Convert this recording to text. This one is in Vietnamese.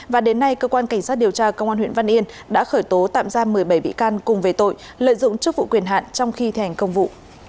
và đến nay cơ quan cảnh sát điều tra công an huyện văn yên đã khởi tố tạm giam một mươi bảy bị can cùng về tội lợi dụng chức vụ quyền hạn trong khi thi hành công vụ